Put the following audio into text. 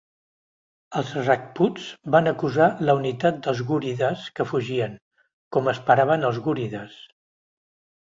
Els rajputs van acusar la unitat dels gúrides que fugien, com esperaven els gúrides.